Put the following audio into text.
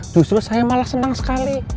justru saya malah senang sekali